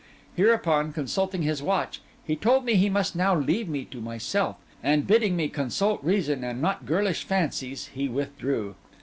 Hereupon, consulting his watch, he told me he must now leave me to myself; and bidding me consult reason, and not girlish fancies, he withdrew.